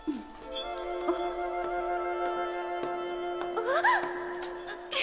あっ！